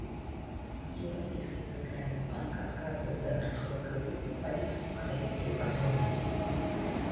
Еўрапейскі цэнтральны банк адказвае за грашова-крэдытную палітыку краін еўразоны.